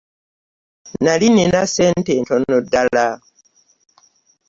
Nali nnina ssente ntono ddala.